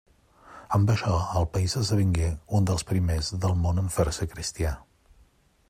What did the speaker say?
Amb això el país esdevingué un dels primers del món en fer-se cristià.